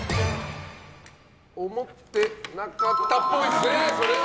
思ってなかったっぽいですね。